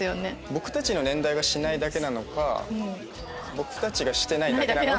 僕たちの年代がしないだけなのか僕たちがしてないだけなのか。